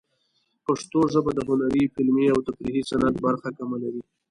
پښتو ژبه د هنري، فلمي، او تفریحي صنعت برخه کمه لري.